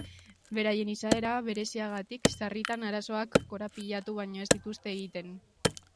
Beraien izaera bereziagatik sarritan arazoak korapilatu baino ez dituzte egiten.